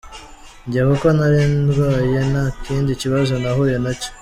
Njye kuko nari ndwaye nta kindi kibazo nahuye nacyo”